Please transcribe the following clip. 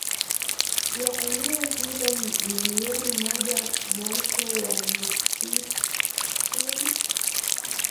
ya eneo hilo milioni moja Moto wa mwituni